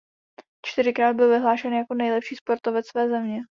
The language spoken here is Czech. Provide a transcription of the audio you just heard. Čtyřikrát byl vyhlášen jako nejlepší sportovec své země.